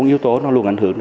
bốn yếu tố nó luôn ảnh hưởng